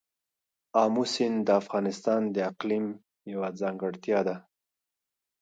آمو سیند د افغانستان د اقلیم یوه ځانګړتیا ده.